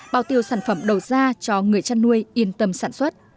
bao tiêu sản phẩm đầu ra cho người chăn nuôi yên tâm sản xuất